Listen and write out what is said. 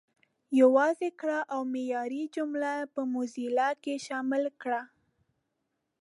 یوازې کره او معیاري جملې په موزیلا کې شامل کړئ.